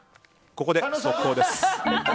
ここで速報です。